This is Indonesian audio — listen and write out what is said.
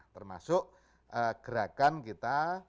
termasuk gerakan kita